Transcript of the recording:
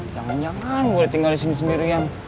jangan jangan gue tinggal disini sendirian